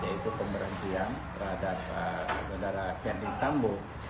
yaitu pemberhentian terhadap saudara ferdis sambo